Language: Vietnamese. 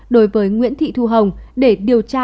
đối với nguyễn thị thu hồng để điều tra